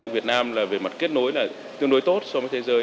việt nam về mặt kết nối tương đối tốt so với thế giới